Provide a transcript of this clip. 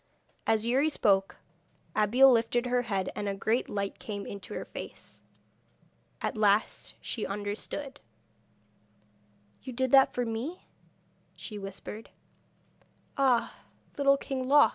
As Youri spoke Abeille lifted her head, and a great light came into her face. At last she understood. 'You did that for me?' she whispered. 'Ah, Little King Loc